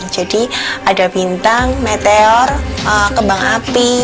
jadi ada bintang meteor kembang api